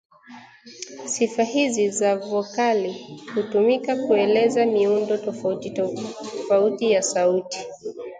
Sifa hizi za vokali hutumika kuelezea miundo tofauti ya sauti